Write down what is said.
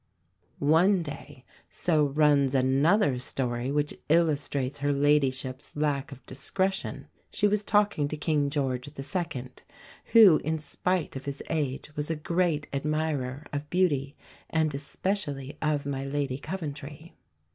One day, so runs another story which illustrates her ladyship's lack of discretion, she was talking to King George II., who in spite of his age, was a great admirer of beauty, and especially of my Lady Coventry.